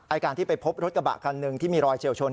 การที่ไปพบรถกระบะคันหนึ่งที่มีรอยเฉียวชน